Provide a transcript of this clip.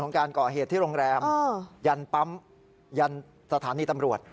การก่อเหตุที่โรงแรมยันปั๊มยันสถานีตำรวจ